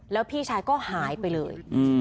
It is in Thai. แล้วพี่ชายก็หายไปเลย